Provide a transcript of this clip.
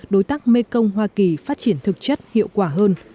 đối tác mekong hoa kỳ phát triển thực chất hiệu quả hơn